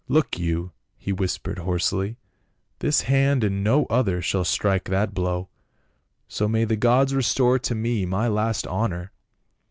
" Look you," he whispered hoarsely, " this hand and no other shall strike that blow ! So may the gods restore to me my lost honor."